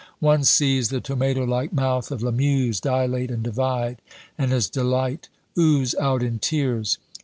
One sees the tomato like mouth of Lamuse dilate and divide, and his delight ooze out in tears.